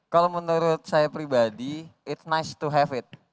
kalau menurut saya pribadi it's nice to have it